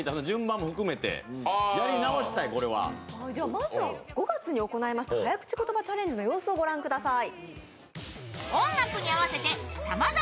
まずは５月に行いました早口言葉チャレンジの様子をご覧ください。